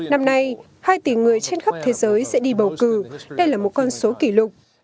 năm nay hai tỷ người trên khắp thế giới sẽ đi bầu cử đây là một con số kỷ lục